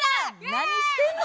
何してんの？